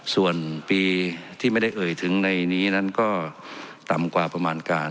ส่วนปีที่ไม่ได้เอ่ยถึงในนี้นั้นก็ต่ำกว่าประมาณการ